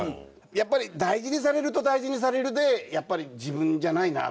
やっぱり大事にされると大事にされるでやっぱり自分じゃないな。